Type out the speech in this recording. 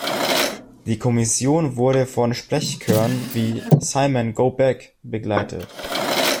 Die Kommission wurde von Sprechchören, wie "„Simon, go back“" begleitet.